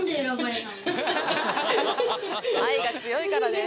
愛が強いからです